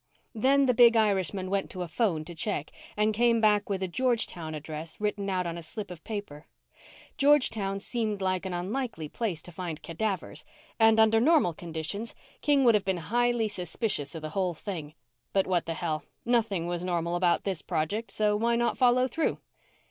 Then the big Irishman went to a phone to check, and came back with a Georgetown address written out on a slip of paper. Georgetown seemed like an unlikely place to find cadavers and, under normal conditions, King would have been highly suspicious of the whole thing. But what the hell? Nothing was normal about this project, so why not follow through?